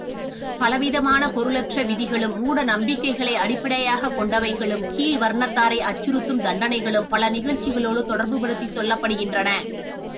பலவிதமான பொருளற்ற விதிகளும் மூட நம்பிக்கைகளை அடிப்படையாகக் கொண்டவைகளும் கீழ்வருணத்தாரை அச்சுறுத்தும் தண்டனைகளும் பல நிகழ்ச்சிகளோடு தொடர்புபடுத்திச் சொல்லப்படுகின்றன.